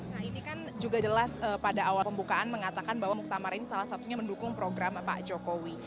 nah ini kan juga jelas pada awal pembukaan mengatakan bahwa muktamar ini salah satunya mendukung program pak jokowi